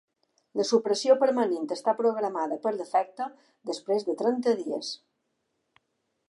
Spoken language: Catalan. La supressió permanent està programada per defecte després de trenta dies.